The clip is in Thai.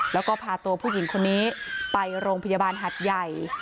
แล้วก็พาตัวผู้หญิงคนนี้ไปโรงพยาบาลหัดใหญ่